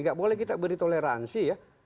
tidak boleh kita beri toleransi